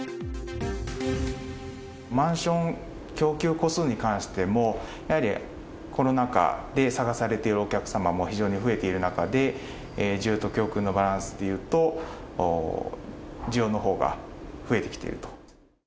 マンション供給戸数に関しても、やはりコロナ禍で探されてるお客様も非常に増えている中で、需要と供給のバランスでいうと、需要のほうが増えてきていると。